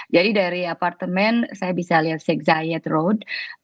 jadi dari apartemen saya bisa lihat sheikh zayed road